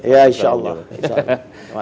ya insya allah